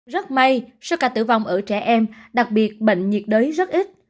rất may số ca tử vong ở trẻ em đặc biệt bệnh nhiệt đới rất ít